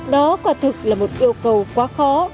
đó quả thực là một yêu cầu quá khó